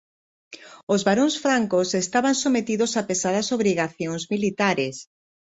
Os baróns francos estaban sometidos a pesadas obrigacións militares.